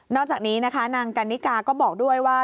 อกจากนี้นะคะนางกันนิกาก็บอกด้วยว่า